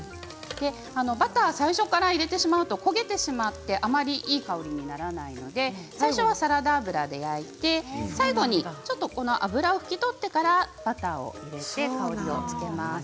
バターを最初から入れてしまうと焦げてしまってあまりいい色にならないので最初はサラダ油で焼いて最後にちょっと油を拭き取ってからバターを入れて香りをつけます。